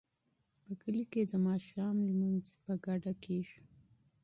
په کلي کې د ماښام لمونځ په ګډه کیږي.